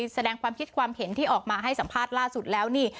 แสดงความคิดความเห็นที่ออกมาให้สัมภาษณ์ล่าสุดแล้วนี่